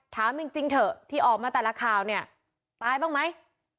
ถามจริงเถอะที่ออกมาแต่ละข่าวเนี่ยตายบ้างไหม